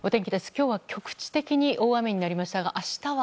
今日は局地的に大雨になりましたが、明日は？